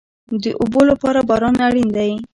د اوبو لپاره باران اړین دی